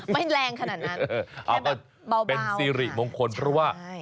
ไม่แรงขนาดนั้น